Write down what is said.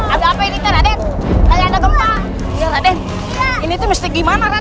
ada apa ini terhadap kalian ada gempa ini itu mesti gimana